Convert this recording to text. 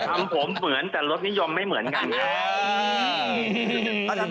ทำผมเหมือนแต่รถนิยมไม่เหมือนกัน